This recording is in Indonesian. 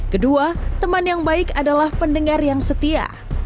kedua teman yang baik adalah pendengar yang setia